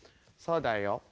「そうだよ。